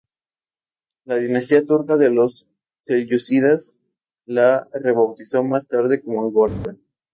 La dinastía turca de los selyúcidas la rebautizó más tarde como Angora.